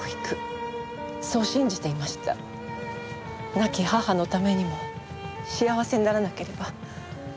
亡き母のためにも幸せにならなければ。